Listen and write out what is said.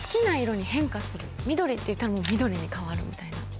「緑」って言ったら緑に変わるみたいな。